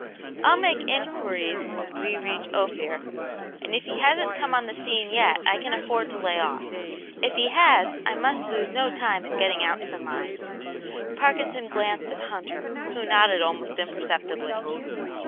I'll make inquiries when we reach Ophir, and if he hasn't come on the scene yet I can afford to lay off; if he has, I must lose no time in getting out to the mine." Parkinson glanced at Hunter, who nodded almost imperceptibly.